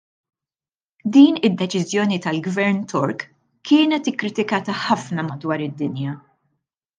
Din id-deċiżjoni tal-Gvern Tork kienet ikkritikata ħafna madwar id-Dinja.